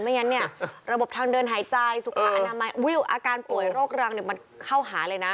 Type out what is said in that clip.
งั้นเนี่ยระบบทางเดินหายใจสุขอนามัยวิวอาการป่วยโรครังมันเข้าหาเลยนะ